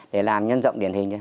để làm nhân rộng điển hình